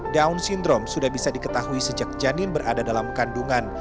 down syndrome sudah bisa diketahui sejak janin berada dalam kandungan